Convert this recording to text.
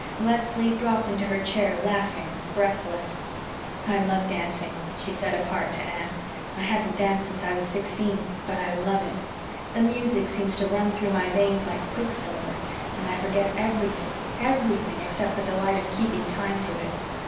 Leslie dropped into her chair, laughing, breathless. "I love dancing," she said apart to Anne. "I haven't danced since I was sixteen but I love it. The music seems to run through my veins like quicksilver and I forget everything everything except the delight of keeping time to it.